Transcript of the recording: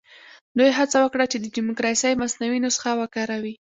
دوی هڅه وکړه چې د ډیموکراسۍ مصنوعي نسخه وکاروي.